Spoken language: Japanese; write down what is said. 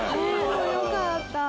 よかった。